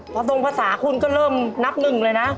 พอทรงภาษาคุณก็เริ่มนับหนึ่งเลยนะ